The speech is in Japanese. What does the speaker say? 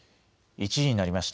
１時になりました。